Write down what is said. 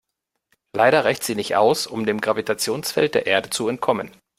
Leider reicht sie nicht aus, um dem Gravitationsfeld der Erde zu entkommen.